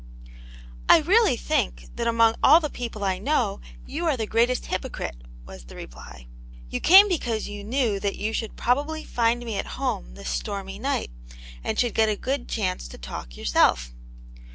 " I really think that among all the people I know you are the greatest hypocrite," was the reply. "You came because you knew that you should probably find me at home this stormy night, and should get a good chance to talk yourself."